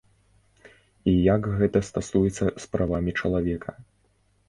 І як гэта стасуецца з правамі чалавека?